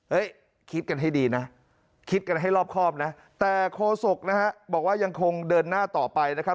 คิดกันให้ดีนะคิดกันให้รอบครอบนะแต่โคศกนะฮะบอกว่ายังคงเดินหน้าต่อไปนะครับ